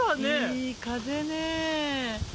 いい風ね。